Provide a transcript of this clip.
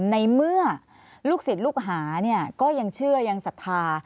ในเมื่อลูกศิษย์ลูกหาก็ยังเชื่อยังศรัทธา